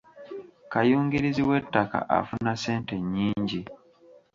Kayungirizi w'ettaka afuna ssente nnyingi.